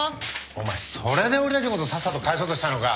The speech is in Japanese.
お前それで俺たちのことさっさと帰そうとしたのか。